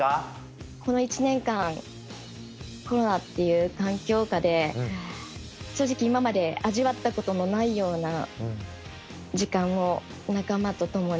この１年間コロナっていう環境下で正直今まで味わったことのないような時間を仲間とともにしてきました。